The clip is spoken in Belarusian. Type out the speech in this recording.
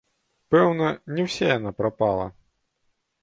Пэўна, не ўся яна прапала.